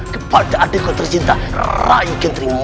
kita pergi dari sini